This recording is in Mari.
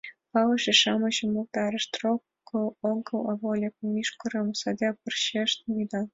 Палыше-шамыч умылтарышт: рокыш огыл, а вольык мӱшкырыш саде пырчетым ӱда.